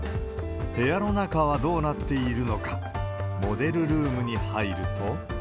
部屋の中はどうなっているのか、モデルルームに入ると。